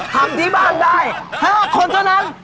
ทำที่บ้านได้๕คนเท่านั้น